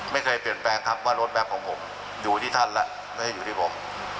ไม่เคยเปลี่ยนแปลงครับว่ารถแบบของผมอยู่ที่ท่านแล้วไม่ได้อยู่ที่ผม